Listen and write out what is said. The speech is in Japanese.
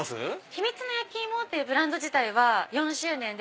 秘蜜な焼き芋っていうブランド自体は４周年で。